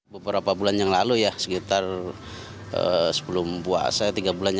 beberapa bulan yang lalu ya sekitar sebelum puasa